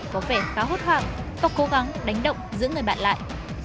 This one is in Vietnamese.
cô gái có vẻ khá hốt hoạc và cố gắng đánh động giữ người bạn lại